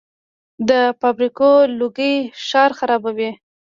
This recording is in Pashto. د فابریکو لوګي ښار خرابوي.